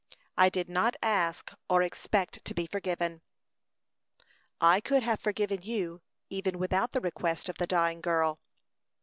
I did not ask or expect to be forgiven." "I could have forgiven you, even without the request of the dying girl."